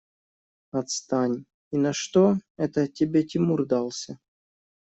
Отстань! И на что это тебе Тимур дался?